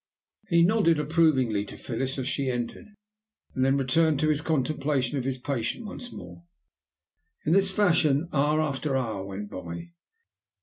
He nodded approvingly to Phyllis as she entered, and then returned to his contemplation of his patient once more. In this fashion hour after hour went by.